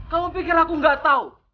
kamu pikir aku gak tahu